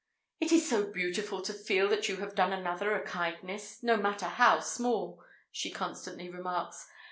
"It is so beautiful to feel that you have done another a kindness, no matter how small," she constantly remarks.